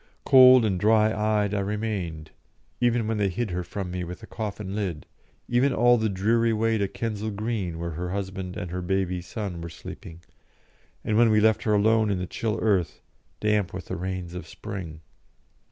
Cold and dry eyed I remained, even when they hid her from me with the coffin lid, even all the dreary way to Kensal Green where her husband and her baby son were sleeping, and when we left her alone in the chill earth, damp with the rains of spring.